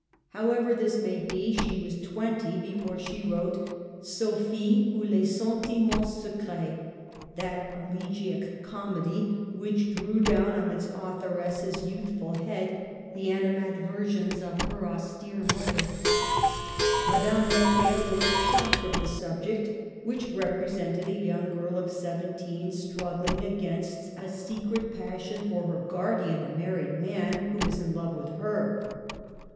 However this may be, she was twenty before she wrote Sophie, ou les Sentiments Secrets, that elegiac " comedy " which drew down on its authoress's youthful head the animadversions of her austere mother. Madame Necker was shocked at the subject, which represented a young girl of seventeen struggling against a (207) Digitized by VjOOQIC 208 MADAME DE STAEL. secret passion for her guardian, a married man, who is in love with her.